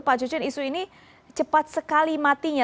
pak cucun isu ini cepat sekali matinya